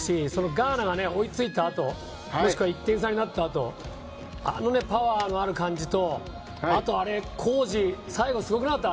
ガーナが追い付いたあともしくは１点差になったあとのあのパワーのある感じとあとは浩二最後、すごくなかった？